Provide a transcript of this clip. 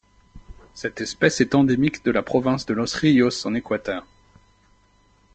Cette espèce est endémique de la province de Los Ríos en Équateur.